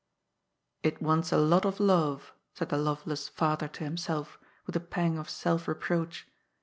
" It wants a lot of love," said the love less father to himself, with a pang of self reproach.